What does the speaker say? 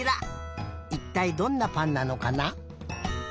いったいどんなぱんなのかな？